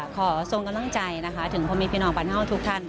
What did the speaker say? ขอทรงกำลังใจนะคะถึงพ่อแม่พี่น้องปันเ่าทุกท่าน